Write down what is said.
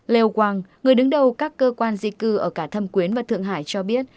leo wang người đứng đầu các cơ quan di cư ở cả thâm quyến và thượng hải cho biết